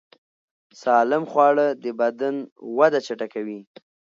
سالم خواړه د بدن وده چټکوي.